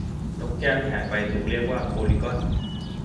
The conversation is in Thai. นกแก้วที่หายไปถูกเรียกว่าโพลีกอน